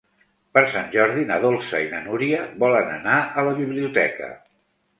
Per Sant Jordi na Dolça i na Núria volen anar a la biblioteca.